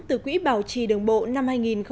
từ quỹ bảo trì đường bộ năm hai nghìn một mươi tám